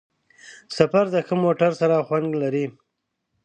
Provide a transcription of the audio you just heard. سفر د ښه موټر سره خوند لري.